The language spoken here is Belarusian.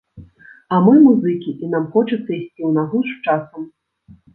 А мы музыкі, і нам хочацца ісці ў нагу з часам.